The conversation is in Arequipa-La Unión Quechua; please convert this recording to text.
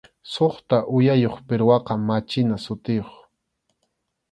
Suqta uyayuq pirwaqa machina sutiyuq.